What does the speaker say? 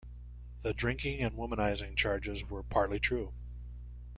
The drinking and womanizing charges were partly true.